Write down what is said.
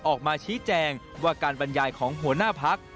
ออกมาชี้แจงว่าการบรรยายของหัวหน้าพัก